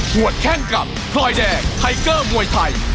หัวแข้งกับพลอยแดงไทเกอร์มวยไทย